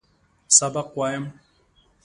سبق وایم.